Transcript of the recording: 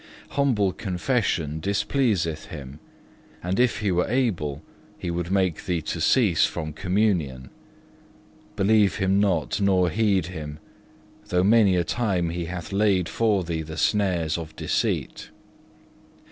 Humble confession displeaseth him, and if he were able he would make thee to cease from Communion. Believe him not, nor heed him, though many a time he hath laid for thee the snares of deceit.